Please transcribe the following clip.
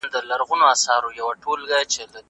دیني تربیه د ټولنې د سمون لومړنی پړاو دی.